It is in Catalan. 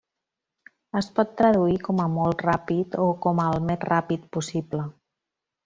Es pot traduir com a 'molt ràpid' o com a 'el més ràpid possible'.